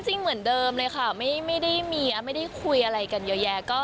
จริงเหมือนเดิมเลยค่ะไม่ได้มีไม่ได้คุยอะไรกันเยอะแยะ